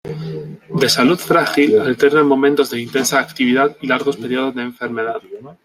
De salud frágil, alterna momentos de intensa actividad y largos períodos de enfermedad.